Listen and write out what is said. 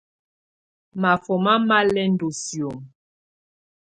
Máfɔ́má má lɛ́ ndɔ́ sìómo.